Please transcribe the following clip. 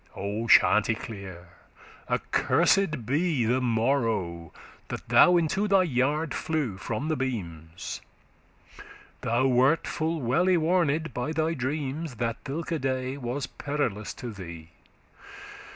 O Chanticleer! accursed be the morrow That thou into thy yard flew from the beams;* *rafters Thou wert full well y warned by thy dreams That thilke day was perilous to thee.